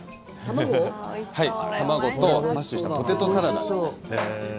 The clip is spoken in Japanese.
はい、卵とマッシュしたポテトサラダです。